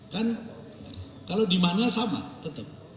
kan kalau di mana sama tetap